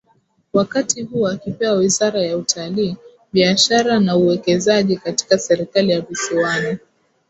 Wakati huu akipewa wizara ya Utali Biashara na Uwekezaji katika serikali ya visiwani